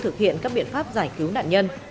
thực hiện các biện pháp giải cứu nạn nhân